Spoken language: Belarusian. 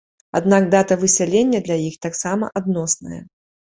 Аднак дата высялення для іх таксама адносная.